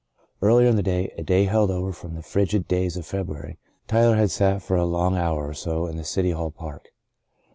Earlier in the day — a day held over from the frigid days of February — ^Tyler had sat for an hour or so in City Hall Park.